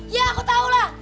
ya aku tau lah